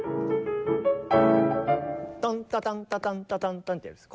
タンタタンタタンタタンタってやるんです。